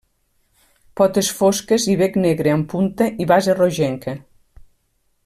Potes fosques i bec negre amb punta i base rogenca.